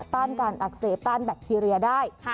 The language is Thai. ต้านการอักเสบต้านแบคทีเรียได้